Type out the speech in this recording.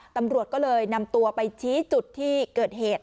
ตำรวจก็เลยนำตัวไปชี้จุดที่เกิดเหตุ